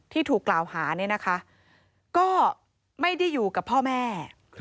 ถูกกล่าวหาเนี่ยนะคะก็ไม่ได้อยู่กับพ่อแม่